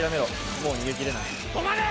もう逃げ切れない止まれ！